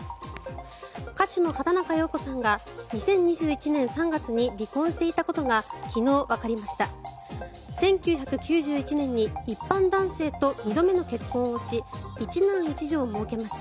歌手の畑中葉子さんが２０２１年３月に離婚していたことが昨日、わかりました。